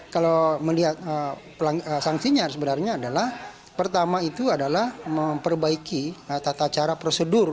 kalau melihat sangsinya sebenarnya adalah pertama itu adalah memperbaiki tata cara prosedur